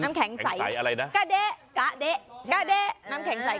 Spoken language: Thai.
น้ำแข็งใสอะไรนะกะเด๊ะกะเด๊ะกะเด๊ะน้ำแข็งใส